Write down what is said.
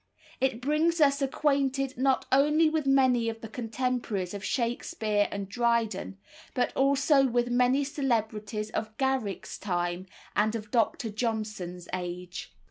It brings us acquainted not only with many of the contemporaries of Shakspere and Dryden, but also with many celebrities of Garrick's time and of Dr. Johnson's age.